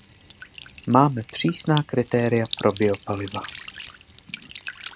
Máme přísná kritéria pro biopaliva.